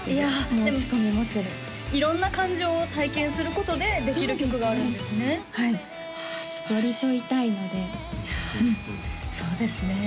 もう落ち込むの待ってる色んな感情を体験することでできる曲があるんですねはい寄り添いたいのでそうですね